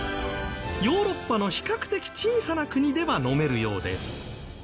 ヨーロッパの比較的小さな国では飲めるようです。